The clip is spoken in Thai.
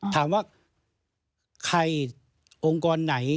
ถามว่าใครองค์กรไหน